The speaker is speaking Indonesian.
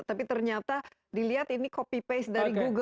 tapi ternyata dilihat ini copy paste dari google